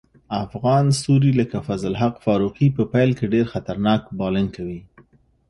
افغان ستوري لکه فضل الحق فاروقي په پیل کې ډېر خطرناک بالینګ کوي.